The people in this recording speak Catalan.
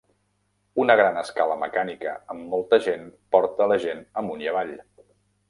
Una gran escala mecànica amb molta gent porta la gent amunt i avall.